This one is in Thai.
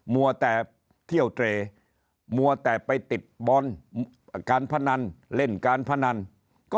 มัวแต่เที่ยวเตรมัวแต่ไปติดบอลการพนันเล่นการพนันก็